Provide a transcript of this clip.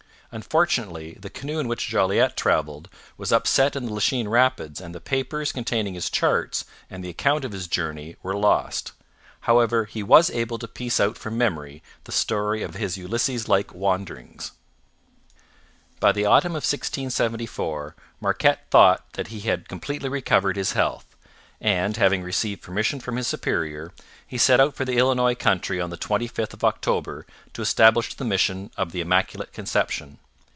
Unfortunately, the canoe in which Jolliet travelled was upset in the Lachine rapids and the papers containing his charts and the account of his journey were lost; however, he was able to piece out from memory the story of his Ulysses like wanderings. By the autumn of 1674 Marquette thought that he had completely recovered his health, and, having received permission from his superior, he set out for the Illinois country on the 25th of October to establish the mission of the Immaculate Conception.